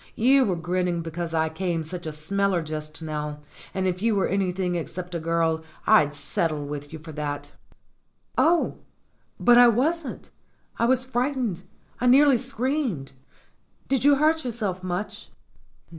"You were grinning because I came such a smeller just now, and if you were any thing except a girl I'd settle with you for that." "Oh, but I wasn't! I was frightened. I nearly screamed. Did you hurt yourself much?"